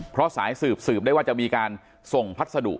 เพราะสายสืบสืบได้ว่าจะมีการส่งพัสดุ